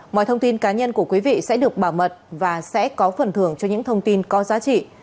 mọi thông tin cá nhân của quý vị sẽ được bảo mật và sẽ có phần thưởng cho những thông tin có giá trị